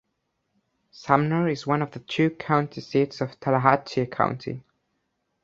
Sumner is one of the two county seats of Tallahatchie County.